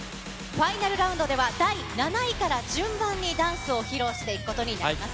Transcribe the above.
ファイナルラウンドでは、第７位から順番にダンスを披露していくことになります。